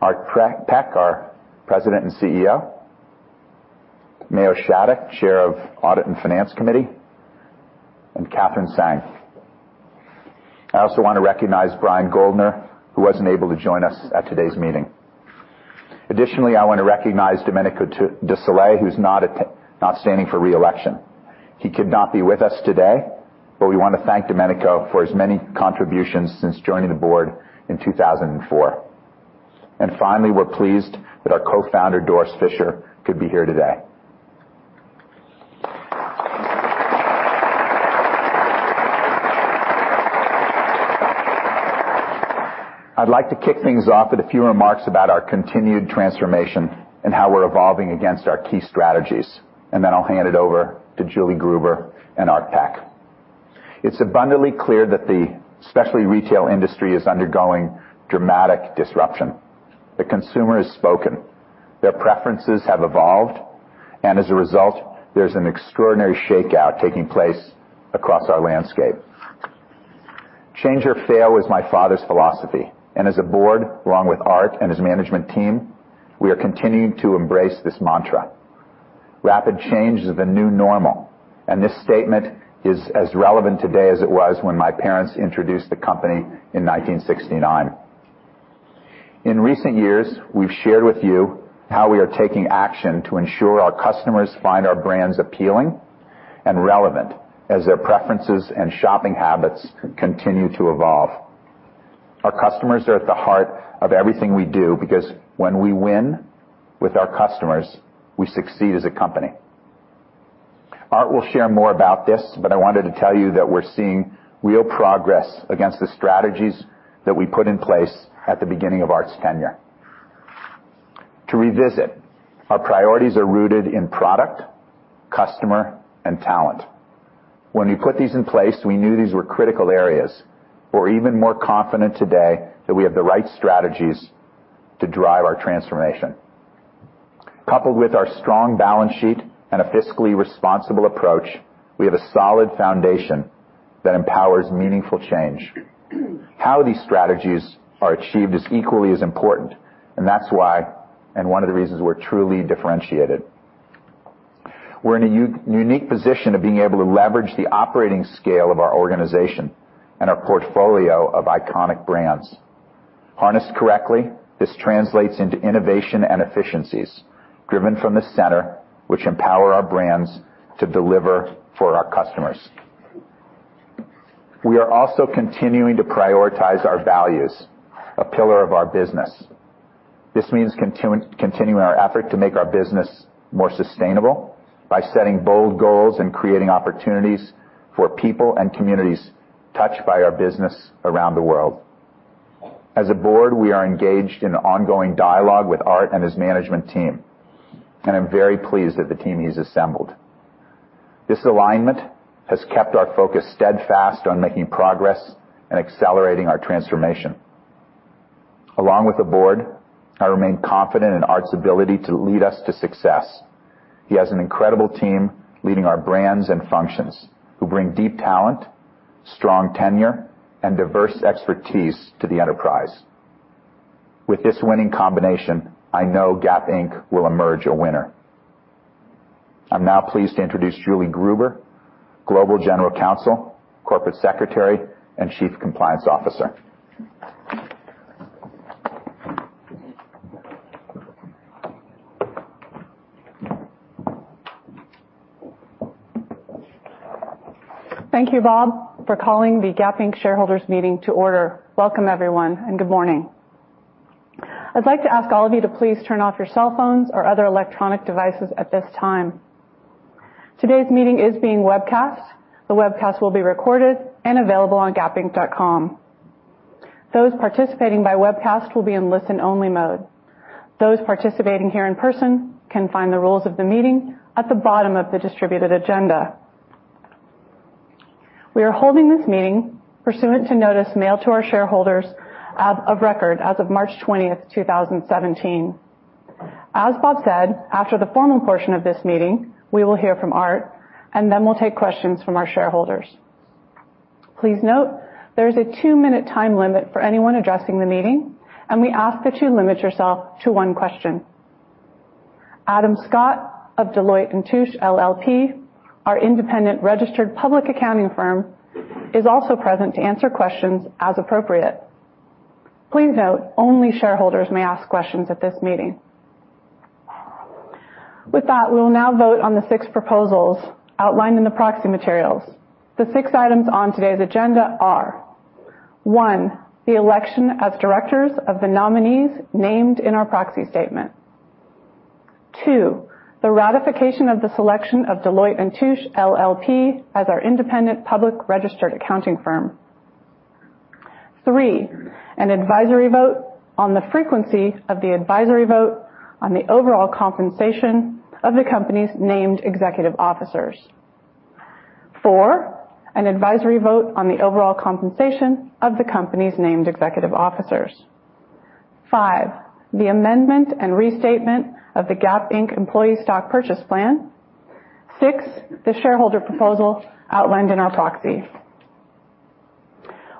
Art Peck, our President and CEO, Mayo Shattuck, Chair of Audit and Finance Committee, and Katherine Tsang. I also want to recognize Brian Goldner, who wasn't able to join us at today's meeting. Additionally, I want to recognize Domenico De Sole, who's not standing for re-election. He could not be with us today, but we want to thank Domenico for his many contributions since joining the board in 2004. Finally, we're pleased that our co-founder, Doris Fisher, could be here today. I'd like to kick things off with a few remarks about our continued transformation and how we're evolving against our key strategies. Then I'll hand it over to Julie Gruber and Art Peck. It's abundantly clear that the specialty retail industry is undergoing dramatic disruption. The consumer has spoken. Their preferences have evolved, and as a result, there's an extraordinary shakeout taking place across our landscape. Change or fail was my father's philosophy, as a board, along with Art and his management team, we are continuing to embrace this mantra. Rapid change is the new normal, this statement is as relevant today as it was when my parents introduced the company in 1969. In recent years, we've shared with you how we are taking action to ensure our customers find our brands appealing and relevant as their preferences and shopping habits continue to evolve. Our customers are at the heart of everything we do, because when we win with our customers, we succeed as a company. Art will share more about this, I wanted to tell you that we're seeing real progress against the strategies that we put in place at the beginning of Art's tenure. To revisit, our priorities are rooted in product, customer, and talent. When we put these in place, we knew these were critical areas. We're even more confident today that we have the right strategies to drive our transformation. Coupled with our strong balance sheet and a fiscally responsible approach, we have a solid foundation that empowers meaningful change. How these strategies are achieved is equally as important, and that's why and one of the reasons we're truly differentiated. We're in a unique position of being able to leverage the operating scale of our organization and our portfolio of iconic brands. Harnessed correctly, this translates into innovation and efficiencies driven from the center, which empower our brands to deliver for our customers. We are also continuing to prioritize our values, a pillar of our business. This means continuing our effort to make our business more sustainable by setting bold goals and creating opportunities for people and communities touched by our business around the world. As a board, we are engaged in ongoing dialogue with Art and his management team, and I'm very pleased at the team he's assembled. This alignment has kept our focus steadfast on making progress and accelerating our transformation. Along with the board, I remain confident in Art's ability to lead us to success. He has an incredible team leading our brands and functions who bring deep talent, strong tenure, and diverse expertise to the enterprise. With this winning combination, I know Gap Inc. will emerge a winner. I'm now pleased to introduce Julie Gruber, Global General Counsel, Corporate Secretary, and Chief Compliance Officer. Thank you, Bob, for calling the Gap Inc. shareholders' meeting to order. Welcome, everyone, and good morning. I'd like to ask all of you to please turn off your cell phones or other electronic devices at this time. Today's meeting is being webcast. The webcast will be recorded and available on gapinc.com. Those participating by webcast will be in listen-only mode. Those participating here in person can find the rules of the meeting at the bottom of the distributed agenda. We are holding this meeting pursuant to notice mailed to our shareholders of record as of March 20th, 2017. As Bob said, after the formal portion of this meeting, we will hear from Art, then we'll take questions from our shareholders. Please note there is a two-minute time limit for anyone addressing the meeting, and we ask that you limit yourself to one question. Adam Scott of Deloitte & Touche LLP, our independent registered public accounting firm, is also present to answer questions as appropriate. Please note only shareholders may ask questions at this meeting. With that, we will now vote on the six proposals outlined in the proxy materials. The six items on today's agenda are, one, the election as directors of the nominees named in our proxy statement. Two, the ratification of the selection of Deloitte & Touche LLP as our independent public registered accounting firm. Three, an advisory vote on the frequency of the advisory vote on the overall compensation of the company's named executive officers. Four, an advisory vote on the overall compensation of the company's named executive officers. Five, the amendment and restatement of the Gap Inc. employee stock purchase plan. Six, the shareholder proposal outlined in our proxy.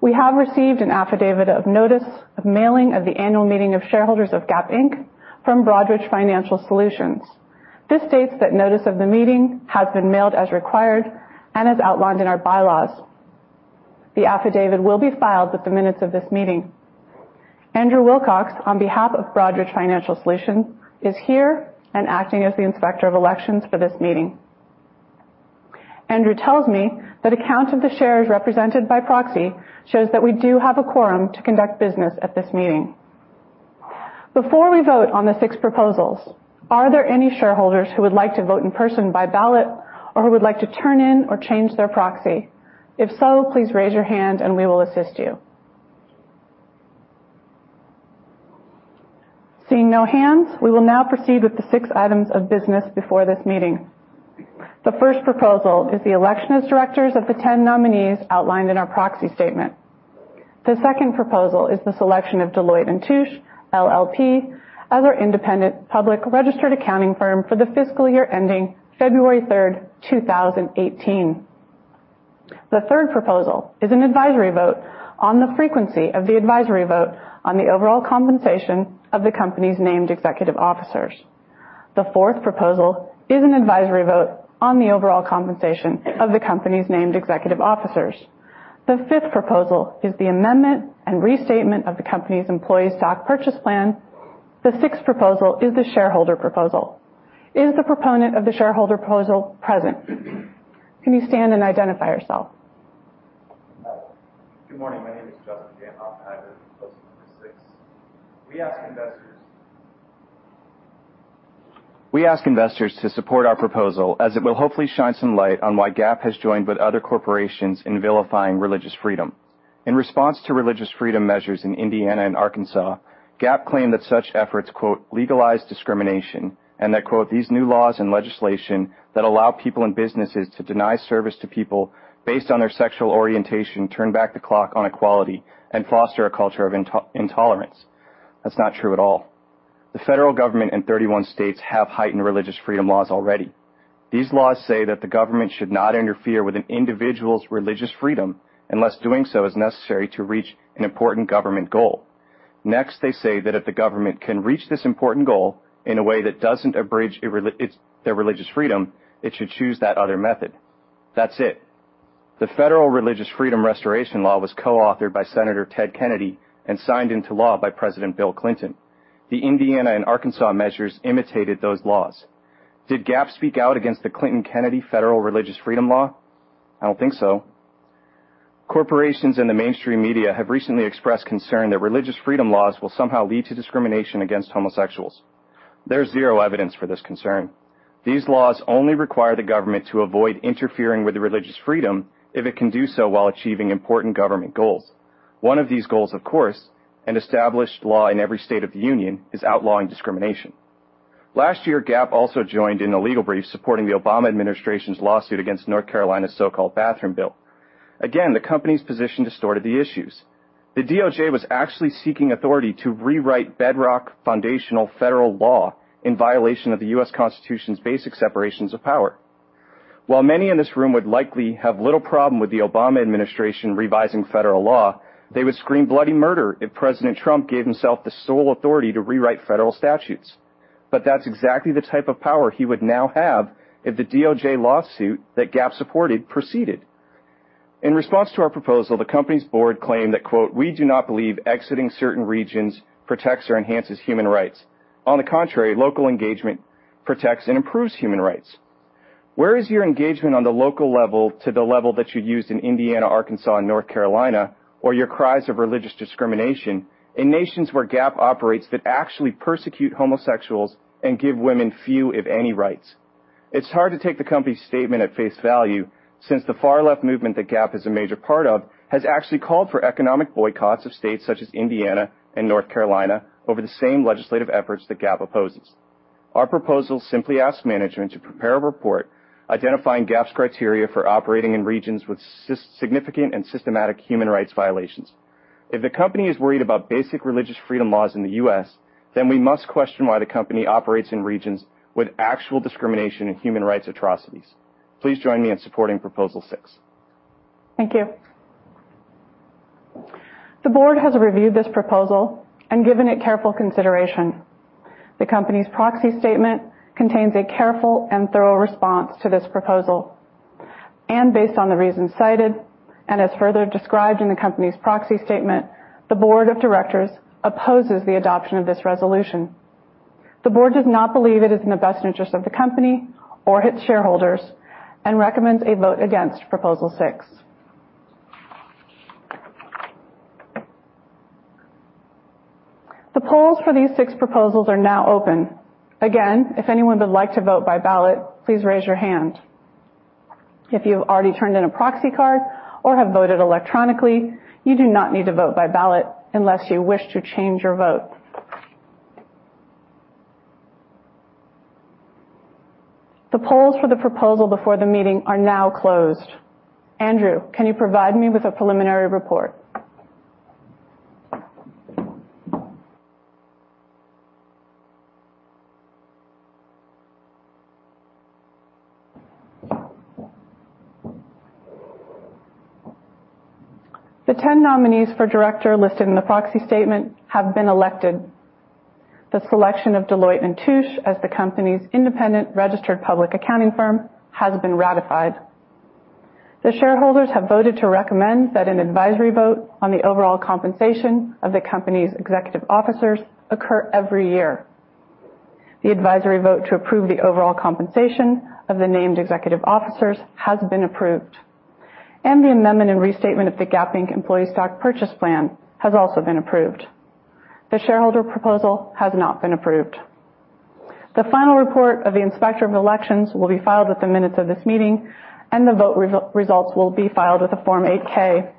We have received an affidavit of notice of mailing of the annual meeting of shareholders of Gap Inc. from Broadridge Financial Solutions. This states that notice of the meeting has been mailed as required and as outlined in our bylaws. The affidavit will be filed with the minutes of this meeting. Andrew Wilcox, on behalf of Broadridge Financial Solutions, is here and acting as the Inspector of Elections for this meeting. Andrew tells me that a count of the shares represented by proxy shows that we do have a quorum to conduct business at this meeting. Before we vote on the six proposals, are there any shareholders who would like to vote in person by ballot or who would like to turn in or change their proxy? If so, please raise your hand and we will assist you. Seeing no hands, we will now proceed with the six items of business before this meeting. The first proposal is the election as directors of the 10 nominees outlined in our proxy statement. The second proposal is the selection of Deloitte & Touche LLP as our independent public registered accounting firm for the fiscal year ending February 3rd, 2018. The third proposal is an advisory vote on the frequency of the advisory vote on the overall compensation of the company's named executive officers. The fourth proposal is an advisory vote on the overall compensation of the company's named executive officers. The fifth proposal is the amendment and restatement of the company's employee stock purchase plan. The sixth proposal is the shareholder proposal. Is the proponent of the shareholder proposal present? Can you stand and identify yourself? Good morning. My name is Justin Janoff. I have proposal number 6. We ask investors to support our proposal, as it will hopefully shine some light on why Gap has joined with other corporations in vilifying religious freedom. In response to religious freedom measures in Indiana and Arkansas, Gap claimed that such efforts, quote, "legalize discrimination" and that, quote, "These new laws and legislation that allow people and businesses to deny service to people based on their sexual orientation turn back the clock on equality and foster a culture of intolerance." That's not true at all. The federal government and 31 states have heightened religious freedom laws already. These laws say that the government should not interfere with an individual's religious freedom unless doing so is necessary to reach an important government goal. Next, they say that if the government can reach this important goal in a way that doesn't abridge their religious freedom, it should choose that other method. That's it. The federal Religious Freedom Restoration Act was co-authored by Senator Ted Kennedy and signed into law by President Bill Clinton. The Indiana and Arkansas measures imitated those laws. Did Gap speak out against the Clinton-Kennedy federal religious freedom law? I don't think so. Corporations and the mainstream media have recently expressed concern that religious freedom laws will somehow lead to discrimination against homosexuals. There's zero evidence for this concern. These laws only require the government to avoid interfering with religious freedom if it can do so while achieving important government goals. One of these goals, of course, an established law in every state of the Union, is outlawing discrimination. Last year, Gap also joined in a legal brief supporting the Obama administration's lawsuit against North Carolina's so-called bathroom bill. Again, the company's position distorted the issues. The DOJ was actually seeking authority to rewrite bedrock foundational federal law in violation of the U.S. Constitution's basic separations of power. While many in this room would likely have little problem with the Obama administration revising federal law, they would scream bloody murder if President Trump gave himself the sole authority to rewrite federal statutes. That's exactly the type of power he would now have if the DOJ lawsuit that Gap supported proceeded. In response to our proposal, the company's board claimed that, quote, "We do not believe exiting certain regions protects or enhances human rights. On the contrary, local engagement protects and improves human rights." Where is your engagement on the local level to the level that you used in Indiana, Arkansas, and North Carolina, or your cries of religious discrimination in nations where Gap operates that actually persecute homosexuals and give women few, if any, rights? It's hard to take the company's statement at face value since the far-left movement that Gap is a major part of has actually called for economic boycotts of states such as Indiana and North Carolina over the same legislative efforts that Gap opposes. Our proposal simply asks management to prepare a report identifying Gap's criteria for operating in regions with significant and systematic human rights violations. If the company is worried about basic religious freedom laws in the U.S., we must question why the company operates in regions with actual discrimination and human rights atrocities. Please join me in supporting proposal six. Thank you. The board has reviewed this proposal and given it careful consideration. The company's proxy statement contains a careful and thorough response to this proposal. Based on the reasons cited and as further described in the company's proxy statement, the board of directors opposes the adoption of this resolution. The board does not believe it is in the best interest of the company or its shareholders and recommends a vote against proposal six. The polls for these six proposals are now open. If anyone would like to vote by ballot, please raise your hand. If you have already turned in a proxy card or have voted electronically, you do not need to vote by ballot unless you wish to change your vote. The polls for the proposal before the meeting are now closed. Andrew, can you provide me with a preliminary report? The 10 nominees for director listed in the proxy statement have been elected. The selection of Deloitte & Touche as the company's independent registered public accounting firm has been ratified. The shareholders have voted to recommend that an advisory vote on the overall compensation of the company's executive officers occur every year. The advisory vote to approve the overall compensation of the named executive officers has been approved. The amendment and restatement of the Gap Inc. employee stock purchase plan has also been approved. The shareholder proposal has not been approved. The final report of the Inspector of Elections will be filed with the minutes of this meeting. The vote results will be filed with the Form 8-K.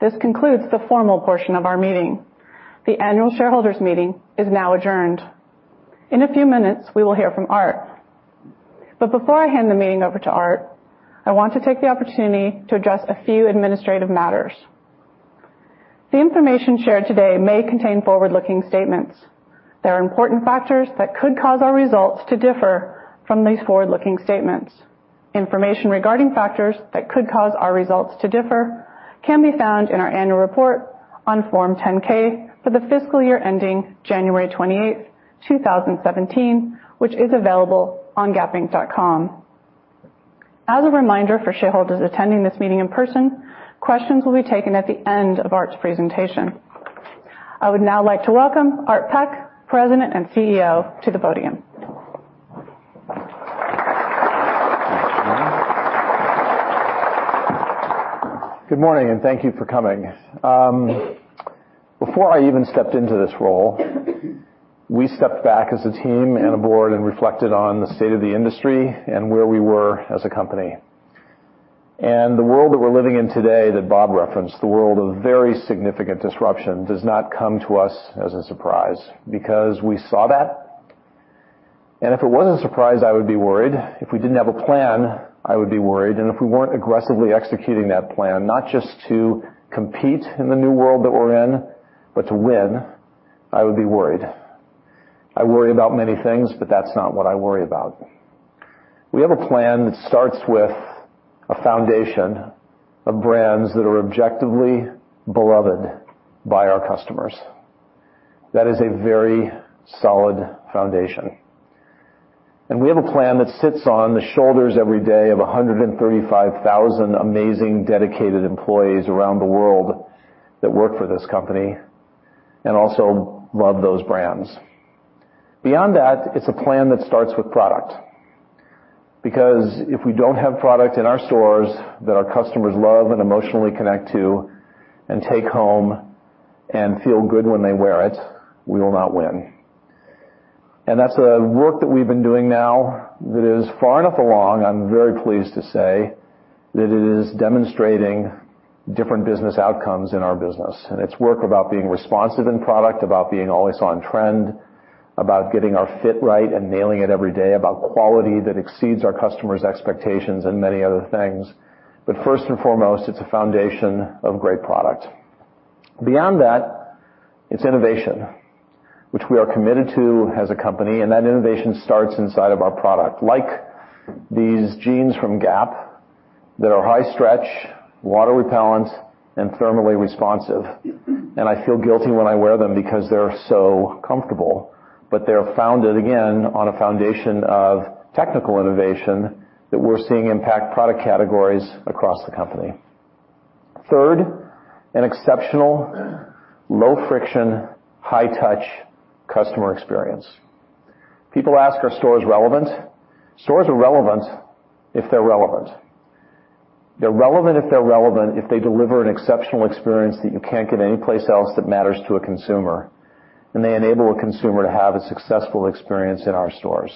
This concludes the formal portion of our meeting. The annual shareholders meeting is now adjourned. In a few minutes, we will hear from Art. Before I hand the meeting over to Art, I want to take the opportunity to address a few administrative matters. The information shared today may contain forward-looking statements. There are important factors that could cause our results to differ from these forward-looking statements. Information regarding factors that could cause our results to differ can be found in our annual report on Form 10-K for the fiscal year ending January 28th, 2017, which is available on gapinc.com. As a reminder for shareholders attending this meeting in person, questions will be taken at the end of Art's presentation. I would now like to welcome Art Peck, President and CEO, to the podium. Good morning, and thank you for coming. Before I even stepped into this role, we stepped back as a team and a board and reflected on the state of the industry and where we were as a company. The world that we're living in today, that Bob referenced, the world of very significant disruption does not come to us as a surprise because we saw that. If it wasn't a surprise, I would be worried. If we didn't have a plan, I would be worried. If we weren't aggressively executing that plan, not just to compete in the new world that we're in, but to win, I would be worried. I worry about many things, but that's not what I worry about. We have a plan that starts with a foundation of brands that are objectively beloved by our customers. That is a very solid foundation. We have a plan that sits on the shoulders every day of 135,000 amazing, dedicated employees around the world that work for this company and also love those brands. Beyond that, it's a plan that starts with product. Because if we don't have product in our stores that our customers love and emotionally connect to and take home and feel good when they wear it, we will not win. That's the work that we've been doing now that is far enough along, I'm very pleased to say, that it is demonstrating different business outcomes in our business. It's work about being responsive in product, about being always on trend, about getting our fit right and nailing it every day, about quality that exceeds our customers' expectations and many other things. First and foremost, it's a foundation of great product. Beyond that, it's innovation, which we are committed to as a company, and that innovation starts inside of our product. Like these jeans from Gap that are high stretch, water repellent, and thermally responsive. I feel guilty when I wear them because they're so comfortable, but they're founded, again, on a foundation of technical innovation that we're seeing impact product categories across the company. Third, an exceptional low friction, high touch customer experience. People ask, are stores relevant? Stores are relevant if they're relevant. They're relevant if they deliver an exceptional experience that you can't get anyplace else that matters to a consumer, and they enable a consumer to have a successful experience in our stores.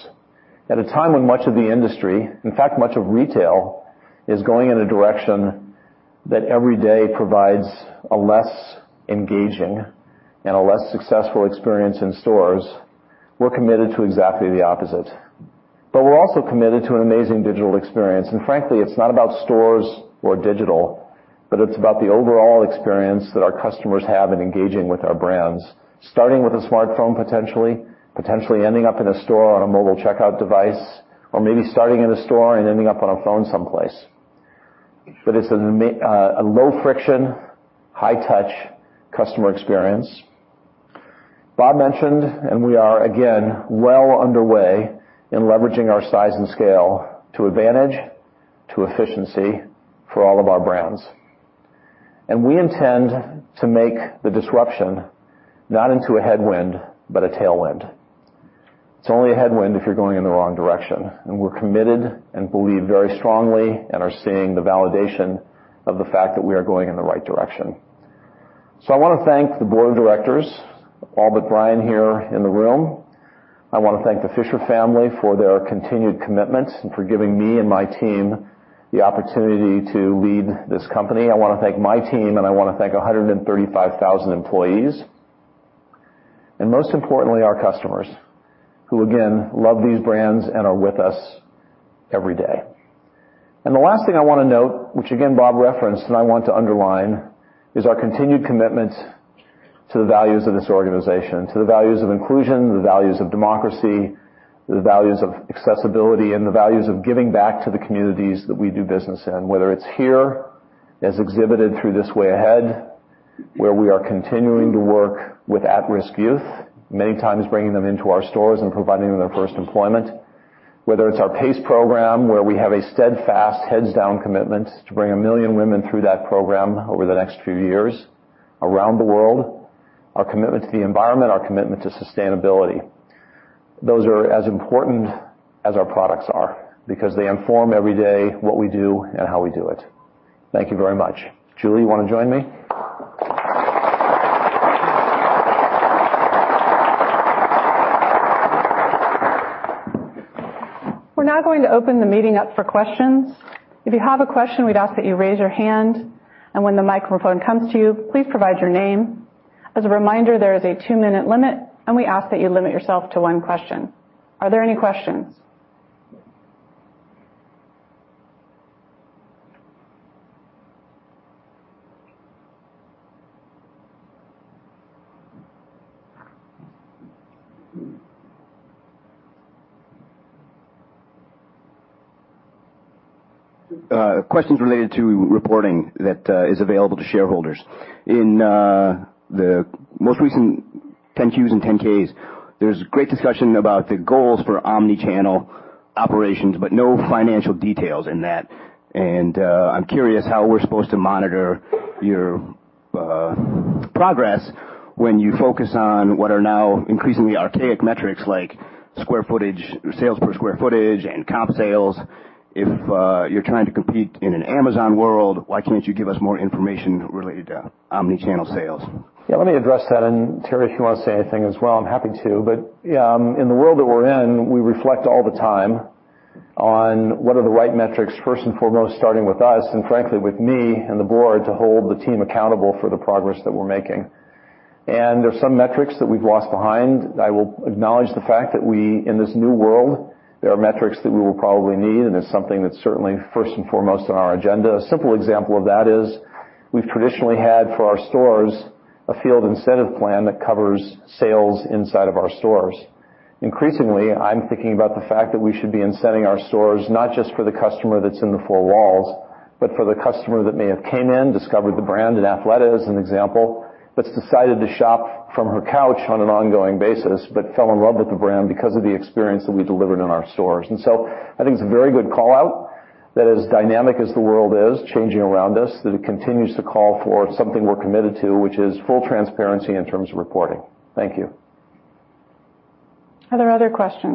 At a time when much of the industry, in fact, much of retail, is going in a direction that every day provides a less engaging and a less successful experience in stores, we're committed to exactly the opposite. We're also committed to an amazing digital experience, and frankly, it's not about stores or digital, but it's about the overall experience that our customers have in engaging with our brands, starting with a smartphone, potentially. Potentially ending up in a store on a mobile checkout device, or maybe starting in a store and ending up on a phone someplace. It's a low friction, high touch customer experience. Bob mentioned, we are again, well underway in leveraging our size and scale to advantage, to efficiency for all of our brands. We intend to make the disruption not into a headwind but a tailwind. It's only a headwind if you're going in the wrong direction, and we're committed and believe very strongly and are seeing the validation of the fact that we are going in the right direction. I want to thank the board of directors, all but Brian here in the room. I want to thank the Fisher family for their continued commitment and for giving me and my team the opportunity to lead this company. I want to thank my team, I want to thank 135,000 employees. Most importantly, our customers, who again, love these brands and are with us every day. The last thing I want to note, which again, Bob referenced, I want to underline, is our continued commitment to the values of this organization, to the values of inclusion, the values of democracy, the values of accessibility, and the values of giving back to the communities that we do business in, whether it's here as exhibited through This Way Ahead, where we are continuing to work with at-risk youth, many times bringing them into our stores and providing them their first employment. Whether it's our P.A.C.E. program, where we have a steadfast heads down commitment to bring 1 million women through that program over the next few years around the world, our commitment to the environment, our commitment to sustainability. Those are as important as our products are because they inform every day what we do and how we do it. Thank you very much. Julie, you want to join me? We're now going to open the meeting up for questions. If you have a question, we'd ask that you raise your hand, and when the microphone comes to you, please provide your name. As a reminder, there is a two-minute limit, and we ask that you limit yourself to one question. Are there any questions? Questions related to reporting that is available to shareholders. In the most recent 10-Qs and 10-Ks, there's great discussion about the goals for omnichannel operations, but no financial details in that. I'm curious how we're supposed to monitor your progress when you focus on what are now increasingly archaic metrics like square footage, sales per square footage, and comp sales. If you're trying to compete in an Amazon world, why can't you give us more information related to omnichannel sales? Yeah, let me address that. Terry, if you want to say anything as well, I'm happy to. Yeah, in the world that we're in, we reflect all the time on what are the right metrics, first and foremost, starting with us and frankly with me and the board to hold the team accountable for the progress that we're making. There's some metrics that we've lost behind. I will acknowledge the fact that we, in this new world, there are metrics that we will probably need, and it's something that's certainly first and foremost on our agenda. A simple example of that is we've traditionally had for our stores a field incentive plan that covers sales inside of our stores. Increasingly, I'm thinking about the fact that we should be incenting our stores not just for the customer that's in the four walls, but for the customer that may have came in, discovered the brand, in Athleta as an example, that's decided to shop from her couch on an ongoing basis but fell in love with the brand because of the experience that we delivered in our stores. I think it's a very good call-out that as dynamic as the world is changing around us, that it continues to call for something we're committed to, which is full transparency in terms of reporting. Thank you. Are there other questions?